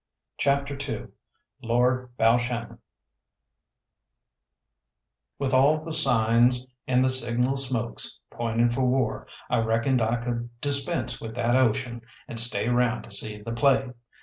CHAPTER II LORD BALSHANNON With all the signs and the signal smokes pointing for war, I reckoned I could dispense with that Ocean and stay round to see the play.